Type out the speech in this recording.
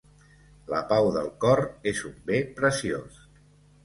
La pau del cor és un bé preciós.